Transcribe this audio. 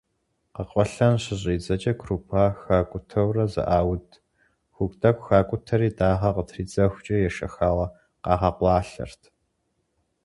Къэкъуэлъэн щыщӏидзэкӏэ крупа хакӏутэурэ зэӏауд, хугу тӏэкӏу хакӏутэри дагъэ къытридзэхукӏэ ешэхауэ къагъэкъуалъэрт.